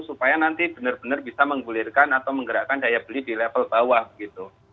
supaya nanti benar benar bisa menggulirkan atau menggerakkan daya beli di level bawah gitu